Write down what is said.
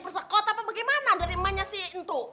persekot apa bagaimana dari emahnya si itu